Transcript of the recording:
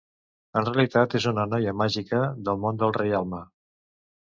En realitat és una noia màgica del món del reialme.